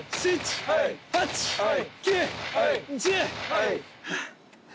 はい！